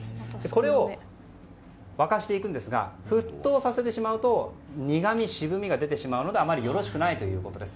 これを沸かしていくんですが沸騰させてしまうと苦味、渋みが出てしまうのであまりよろしくないということです。